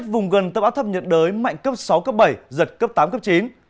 vùng gần tâm áp thấp nhiệt đới mạnh cấp sáu bảy giật cấp tám chín